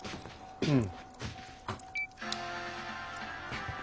うん。